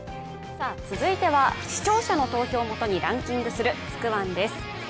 続いては、視聴者の投票をもとにランキングする「つくワン」です。